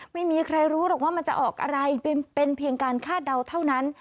ไม่มีใครรู้หรอกว่ามันจะออกอะไรเป็นเพียงการคาดเดาเท่านั้น